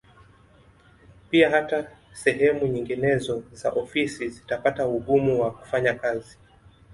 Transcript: Pia hata sehemu nyinginezo za ofisi zitapata ugumu wa kufanya kazi